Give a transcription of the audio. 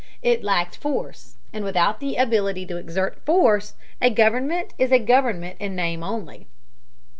It lacked force, and without the ability to exert force, a government is a government in name only.